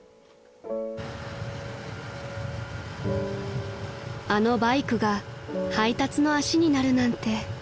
［あのバイクが配達の足になるなんて］